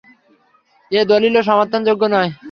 এ দলীলও সমর্থনযোগ্য নয়।